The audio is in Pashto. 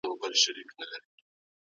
سوسیالیزم د انسان آزادي له منځه وړي.